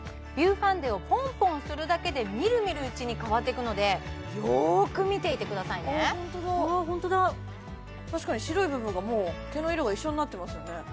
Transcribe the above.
ビューファンデをポンポンするだけでみるみるうちに変わっていくのでよーく見ていてくださいねあホントだ確かに白い部分が毛の色が一緒になってますよね